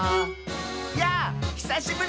「やぁひさしぶり！」